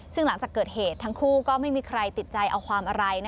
ซึ่งหลังจากเกิดเหตุทั้งคู่ก็ไม่มีใครติดใจเอาความอะไร